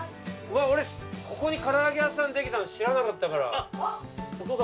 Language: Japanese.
俺ここに唐揚げ屋さんできたの知らなかったから。